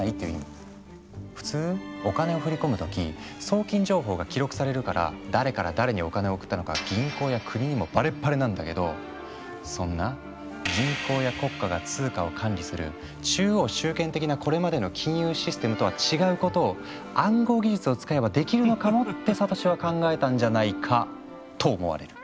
普通お金を振り込むとき送金情報が記録されるから誰から誰にお金を送ったのか銀行や国にもバレバレなんだけどそんな「銀行や国家が通貨を管理する中央集権的なこれまでの金融システム」とは違うことを暗号技術を使えばできるのかもってサトシは考えたんじゃないかと思われる。